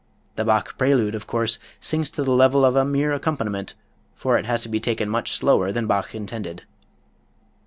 The Bach prelude, of course, sinks to the level of a mere accompaniment, for it has to be taken much slower than Bach intended.